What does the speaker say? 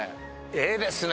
ええですね！